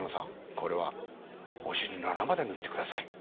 これはお尻の穴まで塗ってください」。